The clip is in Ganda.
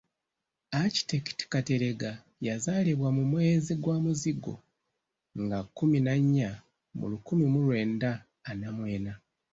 Architect Kateregga yazaalibwa mu mwezi gwa Muzigo nga kkumi na nnya, mu lukumi mu lwenda ana mu ena.